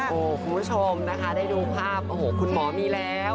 โอ้โหคุณผู้ชมนะคะได้ดูภาพโอ้โหคุณหมอมีแล้ว